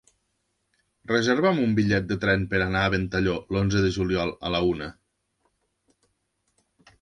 Reserva'm un bitllet de tren per anar a Ventalló l'onze de juliol a la una.